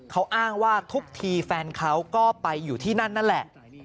เขาอ้างว่าทุกทีแฟนเขาก็ไปอยู่ที่นั่นนั่นแหละ